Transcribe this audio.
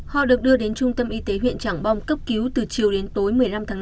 họ được đưa đến trung tâm y tế huyện trảng bom cấp cứu từ chiều đến tối một mươi năm tháng năm